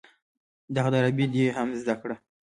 دغه ده عربي دې هم زده کړه.